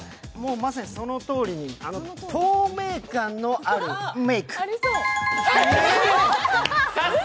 まさにそのとおり、透明感のあるメーク。